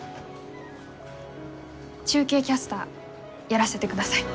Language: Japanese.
中継キャスターやらせてください。